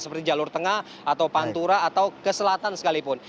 seperti jalur tengah atau pantura atau ke selatan sekalipun